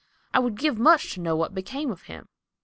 I would give much to know what became of him."